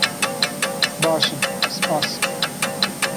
Baş im, spas.